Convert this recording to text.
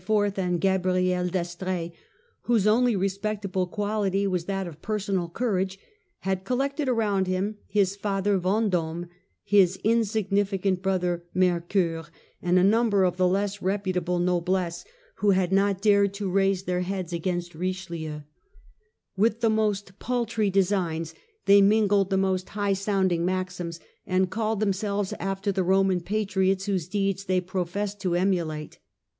and Gabrielle d'Estrdes, whose only respectable quality was that of per sonal courage, had collected around him his father Ven dome, his insignificant brother Mercoeur, and a number of the less reputable noblesse , who had not dared to raise their heads under Richelieu. With the most paltry de signs they mingled the most high sounding maxims, and called themselves after the Roman patriots whose deeds they professed to emulate.